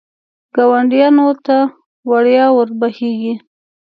ګاونډیانو ته وړیا ور بهېږي.